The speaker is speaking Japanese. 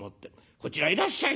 こちらへいらっしゃい。